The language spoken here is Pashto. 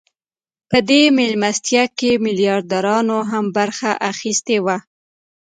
په دې مېلمستیا کې میلیاردرانو هم برخه اخیستې وه